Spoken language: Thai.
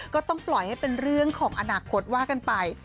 ก็ต้องปล่อยให้เป็นเรื่องของอนาคตว่ากันไป